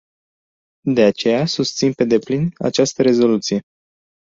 De aceea, susțin pe deplin această rezoluție.